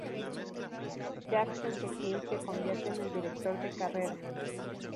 Jacques Anquetil se convierte en el director de carrera.